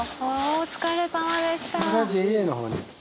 お疲れさまでした。